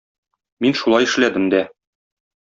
Мин шулай эшләдем дә.